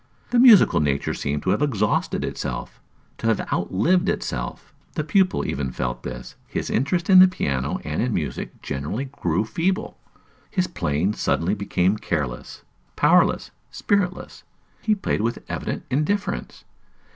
The musical nature seemed to have exhausted itself, to have out lived itself. The pupil even felt this: his interest in the piano and in music generally grew feeble, his playing suddenly became careless, powerless, spiritless; he played with evident indifference.